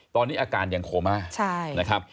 ตอนนี้อาการยังโคมะ